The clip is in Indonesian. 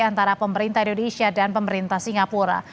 antara pemerintah indonesia dan pemerintah singapura